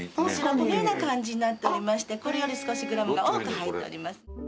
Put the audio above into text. このような感じになっておりましてこれより少しグラムが多く入っております。